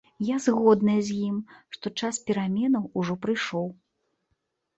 Я згодная з ім, што час пераменаў ужо прыйшоў.